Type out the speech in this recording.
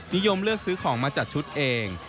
นิยมเลือกซื้อของมาจัดชุดเอง